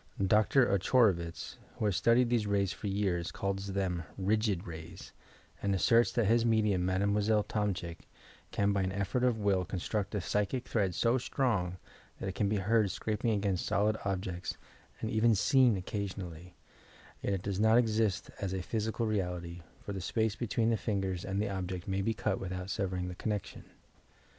Dr. Ochorovitz, who has studied these rays for years, calls them "rigid rays" and that his medium, Mademoiselle Tomczyk, can by an effort of will construct a psychic thread so strong that it can be heard scraping against solid ohjecta and even seen occasionally, — yet it does not exist as a physi cal reality, for the space between the fingers and the object may be cut without severing the connection